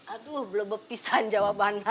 aduh belum bepis anjawa mana